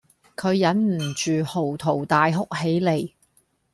佢忍唔住嚎啕大哭起嚟